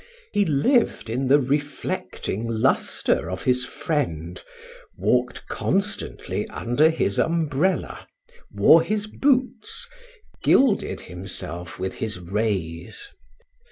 He lived in the reflecting lustre of his friend, walked constantly under his umbrella, wore his boots, gilded himself with his rays.